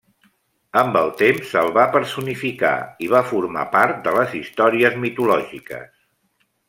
Amb el temps se'l va personificar i va formar part de les històries mitològiques.